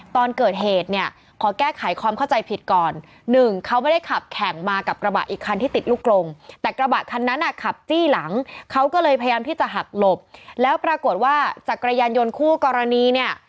พยายามที่จะหักหลบแล้วปรากฏว่าจักรยานยนต์คู่กรณีเนี้ย